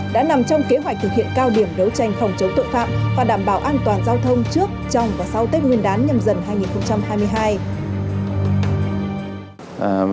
đã nằm trong kế hoạch thực hiện cao điểm đấu tranh phòng chống tội phạm và đảm bảo an toàn giao thông trước trong và sau tết nguyên đán nhâm dần hai nghìn hai mươi hai